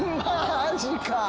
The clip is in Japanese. マジか。